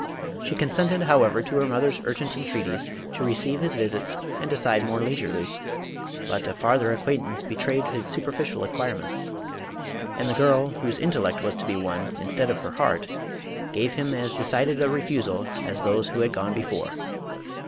She consented however to her mother's urgent entreaties to receive his visits and decide more leisurely, but a farther acquaintance betrayed his superficial acquirements, and the girl, whose intellect was to be won instead of her heart, gave him as decided a refusal as those who had gone before.